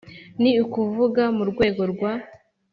ni ukuvuga mu rwego rwa oua,